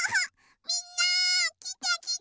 みんなきてきて！